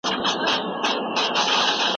ته باید د مشر په څېر مشوره ورکړې.